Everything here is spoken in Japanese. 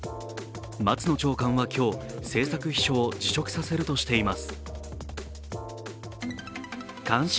松野長官は今日、政策秘書を辞職させるとしています。